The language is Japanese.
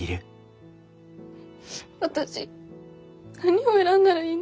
私何を選んだらいいの？